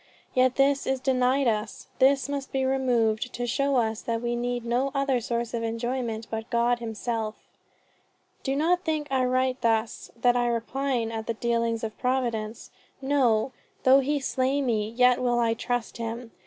Yet this is denied us, this must be removed, to show us that we need no other source of enjoyment but God himself. "Do not think though I write thus, that I repine at the dealings of Providence. No! though he slay me yet will I trust in him!...